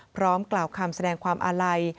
พร้อมกล่าวคำแสดงความอาลัย